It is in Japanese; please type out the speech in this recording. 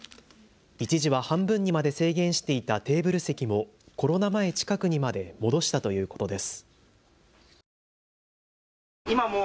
一時は半分にまで制限していたテーブル席もコロナ前近くにまで戻したということです。